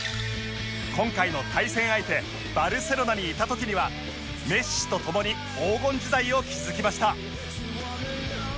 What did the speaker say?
今回の対戦相手バルセロナにいた時にはメッシとともに黄金時代を築きました